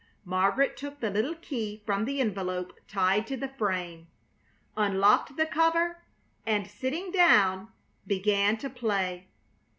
Margaret took the little key from the envelope tied to the frame, unlocked the cover, and, sitting down, began to play.